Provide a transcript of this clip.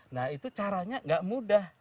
nah itu caranya gak mudah